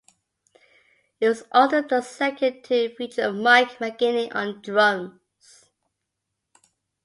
It was also the second to feature Mike Mangini on drums.